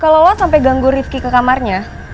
kalau lo sampe ganggu rifqi ke kamarnya